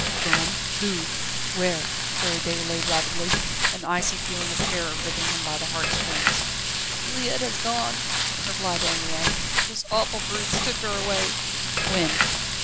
"Gone? Who? Where?" queried Déroulède rapidly, an icy feeling of terror gripping him by the heart strings. "Juliette has gone," replied Anne Mie; "those awful brutes took her away." "When?"